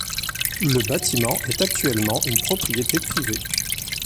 Le bâtiment est actuellement une propriété privée.